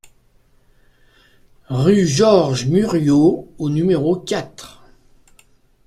Rue Georges Muriot au numéro quatre